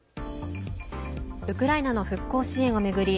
ウクライナの復興支援を巡り